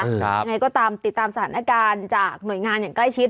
ยังไงก็ตามติดตามสถานการณ์จากหน่วยงานอย่างใกล้ชิด